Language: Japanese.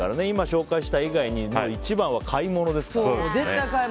紹介した以外に一番は買い物ですから。